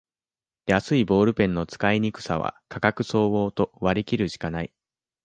安いボールペンの使いにくさは価格相応と割りきるしかない